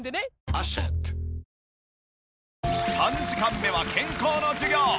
３時間目は健康の授業。